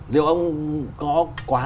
liệu ông có quá